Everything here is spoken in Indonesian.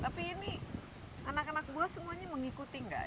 tapi ini anak anak buah semuanya mengikuti nggak